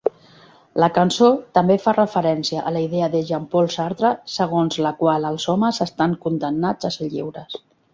La cançó també fa referència a la idea de Jean-Paul Sartre segons la qual els homes estan condemnats a ser lliures.